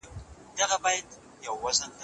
املا د زده کوونکو د انضباط او نظم نښه ده.